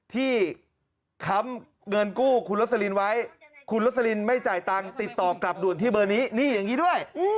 ค้ำเงินกู้คุณโรสลินไว้คุณลสลินไม่จ่ายตังค์ติดต่อกลับด่วนที่เบอร์นี้นี่อย่างนี้ด้วย